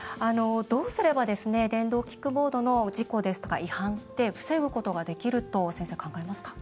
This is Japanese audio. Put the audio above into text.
どうすれば電動キックボードの事故ですとか違反って防ぐことができると先生考えますか？